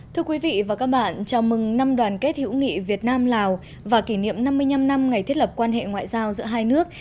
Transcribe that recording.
thưa quý vị và các bạn chào mừng năm đoàn kết hữu nghị việt nam lào và kỷ niệm năm mươi năm năm ngày thiết lập quan hệ ngoại giao giữa hai nước